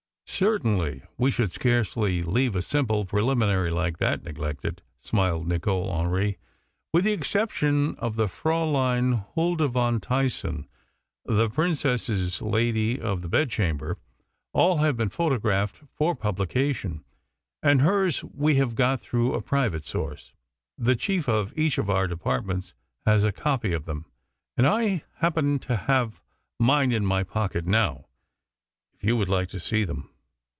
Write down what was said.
"Certainly; we should scarcely leave a simple preliminary like that neglected," smiled Nicol Hendry. "With the exception of the Fraülein Hulda von Tyssen, the Princess' Lady of the Bedchamber, all have been photographed for publication, and hers we have got through a private source. The Chief of each of our Departments has a copy of them, and I happen to have mine in my pocket now, if you would like to see them.